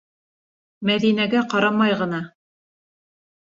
Мәҙинәгә ҡарамай ғына: